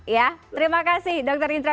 ya terima kasih dokter indra